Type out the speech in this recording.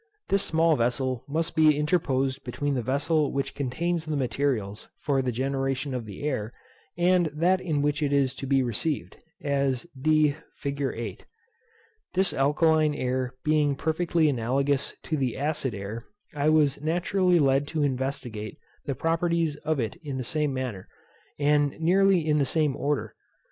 This small vessel must be interposed between the vessel which contains the materials for the generation of the air, and that in which it is to be received, as d fig. 8. This alkaline air being perfectly analogous to the acid air, I was naturally led to investigate the properties of it in the same manner, and nearly in the same order.